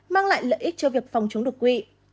mang lại lợi ích cho việc phong trống đột quỵ